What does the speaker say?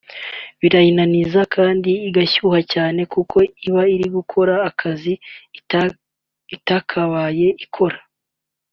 birayinaniza kandi igashyuha cyane kuko iba iri gukora akazi itakabaye ikora